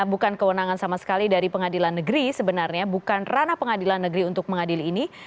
bukan kewenangan sama sekali dari pengadilan negeri sebenarnya bukan ranah pengadilan negeri untuk mengadil ini